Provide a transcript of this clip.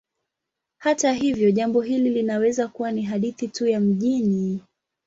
Hata hivyo, jambo hili linaweza kuwa ni hadithi tu ya mijini.